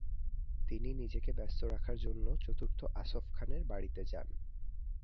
তিনি নিজেকে ব্যস্ত রাখার জন্য চতুর্থ আসফ খানের বাড়িতে যান।